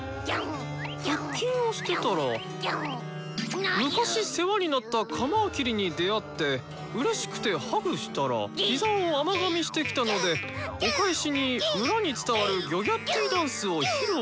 「腹筋をしてたら昔世話になったカ魔キリに出会ってうれしくてハグしたら膝を甘がみしてきたのでお返しに村に伝わるギョギャッティダンスを披露した」。